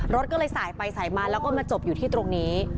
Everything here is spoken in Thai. รถก็เลยสายไปสายมาแล้วก็มาจบอยู่ที่ตรงนี้